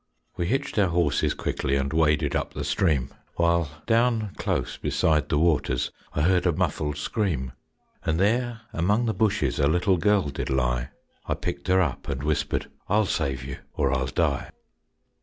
We hitched our horses quickly And waded up the stream; While down close beside the waters I heard a muffled scream. And there among the bushes A little girl did lie. I picked her up and whispered, "I'll save you or I'll die."